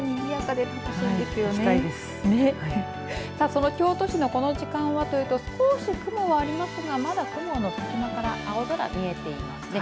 その京都市の、この時間はというと少し雲はありますがまだ雲の隙間から青空、見えていますね。